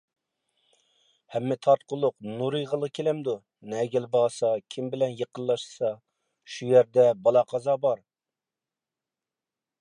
ھەممە تارتقۇلۇق نۇرىغىلا كېلەمدۇ، نەگىلا بارسا، كىم بىلەن يېقىنلاشسا شۇ يەردە بالا-قازا بار،